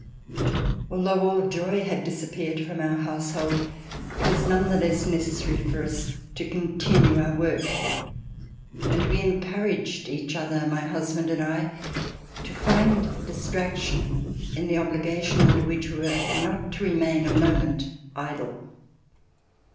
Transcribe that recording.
Although all joy had disappeared from our house hold, it was none the less necessary for us to continue our work, and we encouraged each other, my husband A VISIT TO NEW YORK and 1, to find distraction in tlie obligation under whicli we were not to remain a moment idle.